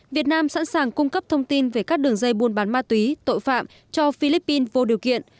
việt nam sẵn sàng cung cấp thông tin về các đường dây buôn bán ma túy tội phạm cho philippines vô điều kiện